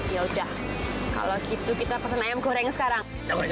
ya udah kalau gitu kita pesen ayam goreng sekarang